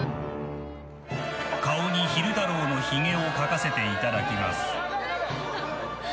顔に昼太郎のひげを描かせていただきます。